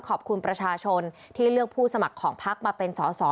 ขอบคุณประชาชนที่เลือกผู้สมัครของพักมาเป็นสอสอ